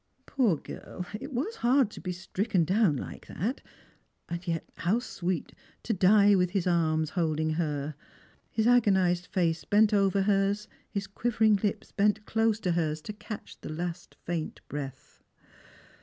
Poor girl ! it was hard to be stricken down like that; and yet how sweet to die with his arms holding her, his agonised lace bent over hers, his quiveiing lips bent close to hers to catch the last faint breath